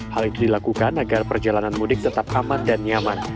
hal itu dilakukan agar perjalanan mudik tetap aman dan nyaman